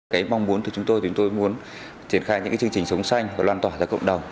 cái mong muốn của chúng tôi thì chúng tôi muốn triển khai những chương trình sống xanh và lan tỏa ra cộng đồng